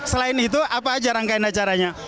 selain itu apa aja rangkaian acaranya